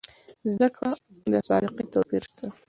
زده کړو سابقې توپیر شته.